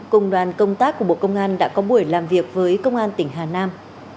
cùng đoàn công tác của bộ công an đã có buổi làm việc với công an tỉnh hà nam